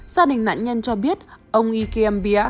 gia đình nạn nhân cho biết ông ikeambia đã bị mất một chiếc điện thoại